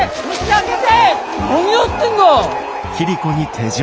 何やってんだ。